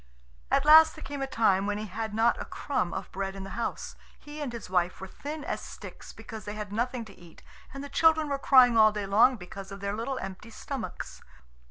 At last there came a time when he had not a crumb of bread in the house. He and his wife were thin as sticks because they had nothing to eat, and the children were crying all day long because of their little empty stomachs.